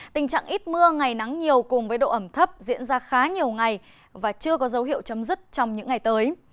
tình trạng ít mưa ngày nắng nhiều cùng với độ ẩm thấp diễn ra khá nhiều ngày và chưa có dấu hiệu chấm dứt trong những ngày tới